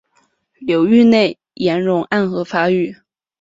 流域内岩溶暗河发育。